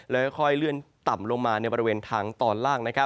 แล้วค่อยเลื่อนต่ำลงมาในบริเวณทางตอนล่าง